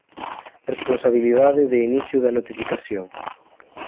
Responsabilidade de inicio da notificación.